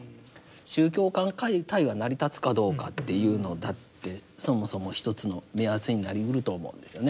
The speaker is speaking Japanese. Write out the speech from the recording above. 宗教間対話成り立つかどうかっていうのだってそもそも一つの目安になりうると思うんですよね。